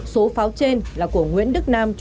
số pháo trên là của nguyễn đức nam